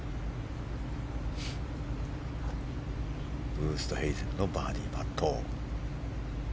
ウーストヘイゼンのバーディーパット。